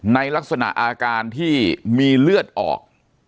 ในลักษณะอาการที่มีเลือดออก